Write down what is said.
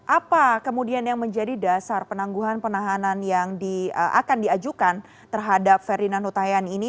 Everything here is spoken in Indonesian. apa kemudian yang menjadi dasar penangguhan penahanan yang akan diajukan terhadap ferdinand hutahian ini